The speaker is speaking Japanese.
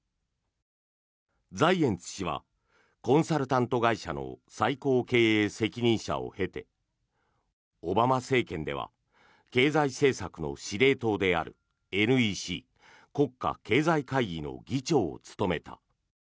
ザイエンツ氏はコンサルタント会社の最高経営責任者を経てオバマ政権では経済政策の司令塔であるＮＥＣ・国家経済会議の議長を務めた。